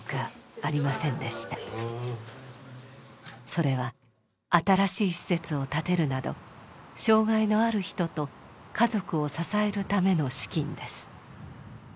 それは新しい施設を建てるなど障害のある人と家族を支えるための資金です。